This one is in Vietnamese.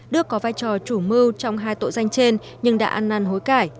đức có vai trò chủ mưu trong hai tội danh trên nhưng đã ăn năn hối cải